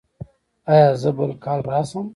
ایا زه بل کال راشم؟